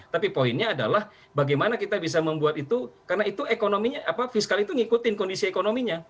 tapi poinnya adalah bagaimana kita bisa membuat itu karena itu ekonominya fiskal itu ngikutin kondisi ekonominya